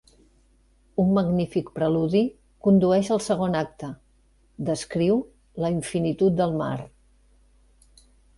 Un magnífic preludi condueix al segon acte; descriu la infinitud del mar.